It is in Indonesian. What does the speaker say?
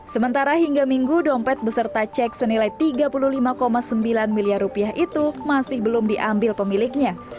sementara hingga minggu dompet beserta cek senilai tiga puluh lima sembilan miliar rupiah itu masih belum diambil pemiliknya